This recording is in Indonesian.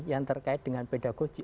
yang terkait dengan pedagogi